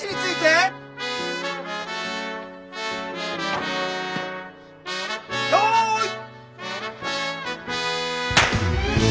よい。